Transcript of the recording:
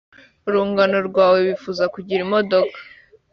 urungano rwawe bifuza kugira imodoka.